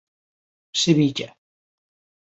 Sevilla